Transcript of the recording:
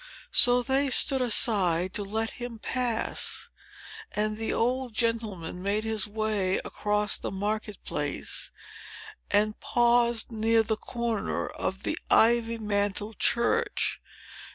So they stood aside to let him pass; and the old gentleman made his way across the market place, and paused near the corner of the ivy mantled church.